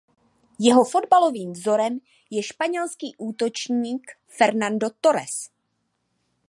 Jeho fotbalovým vzorem je španělský útočník Fernando Torres.